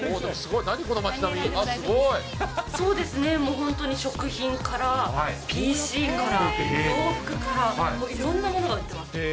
そうですね、本当に食品からＰＣから洋服から、いろんなものが売ってます。